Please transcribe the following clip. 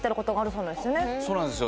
そうなんですよ